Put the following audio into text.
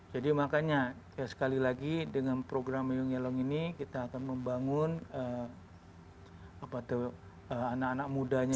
jadi makanya sekali lagi dengan program ayu ngelong ini kita akan membangun anak anak mudanya juga